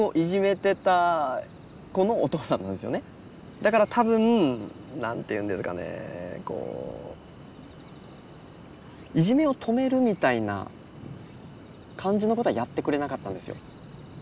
だから多分何て言うんですかねこういじめを止めるみたいな感じのことはやってくれなかったんですよ。